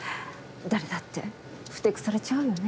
誰だってふて腐れちゃうよね。